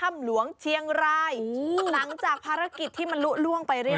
มาเป็นแผงกันเลยให้ดูกันแบบนี้เลย